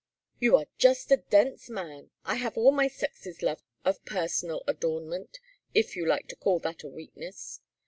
"You are just a dense man! I have all my sex's love of personal adornment, if you like to call that a weakness.